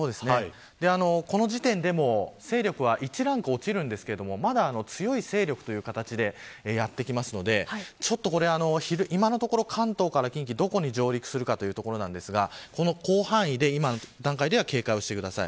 この時点でもう勢力は１ランク落ちるんですがまだ強い勢力という形でやって来ますので今のところ、関東から近畿どこに上陸するかというところですがこの広範囲で、今の段階では警戒してください。